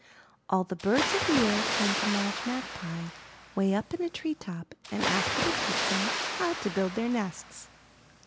All the birds of the air came to Madge Magpie way up in a tree top and asked her to teach them how to build their nests.